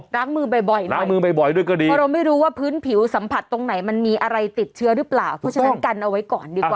ล้างมือบ่อยนะล้างมือบ่อยด้วยก็ดีเพราะเราไม่รู้ว่าพื้นผิวสัมผัสตรงไหนมันมีอะไรติดเชื้อหรือเปล่าเพราะฉะนั้นกันเอาไว้ก่อนดีกว่า